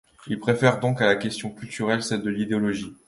Il préfère donc à la question culturelle celle de l'idéologie.